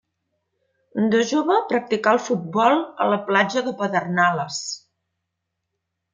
De jove practicà el futbol a la platja de Pedernales.